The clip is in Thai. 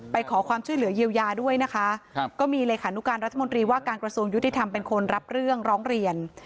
ไปขอความช่วยเหลือเยียวยาด้วยนะคะครับก็มีเลขานุการรัฐมนตรีว่าการกระทรวงยุติธรรมเป็นคนรับเรื่องร้องเรียน